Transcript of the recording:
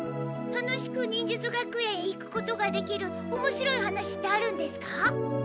楽しく忍術学園へ行くことができるおもしろい話ってあるんですか？